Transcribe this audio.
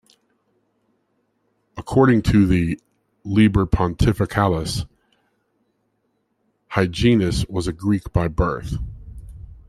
According to the "Liber Pontificalis", Hyginus was a Greek by birth.